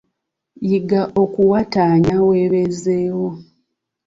Yiga okuwatanya weebeezeewo.